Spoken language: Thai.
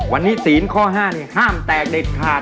วันนี้สีข้อห้านี่ทางแตกเด็ดขาด